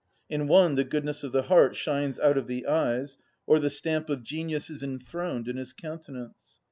In one the goodness of the heart shines out of the eyes, or the stamp of genius is enthroned in his countenance.